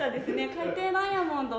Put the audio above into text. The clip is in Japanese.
海底ダイヤモンド。